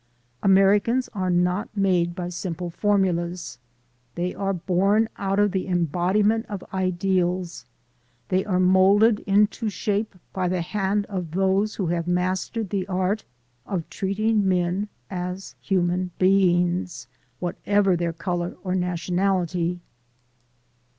Americans are not made by simple formulas. They are born out of the embodiment of ideals ; they are molded into shape by the hand of those who have mastered the art of treating men as human beings, whatever their color or nationality.